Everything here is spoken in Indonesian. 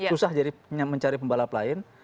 susah jadi mencari pembalap lain